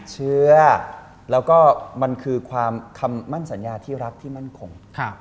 เชื้อแล้วก็มันคือความคำมั่นสัญญาที่รักที่มั่นคง